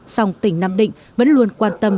sòng tỉnh nam định vẫn luôn quan tâm